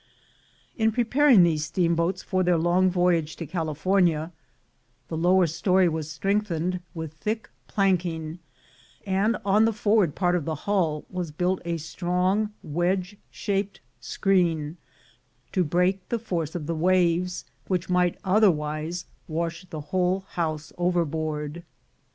In preparing these steamboats for OFF FOR THE MINES 101 their long voyage to California, the lower story was strengthened with thick planking, and on the forward part of the deck was built a strong wedge shaped screen, to break the force of the waves, which might otherwise wash the whole house overboard.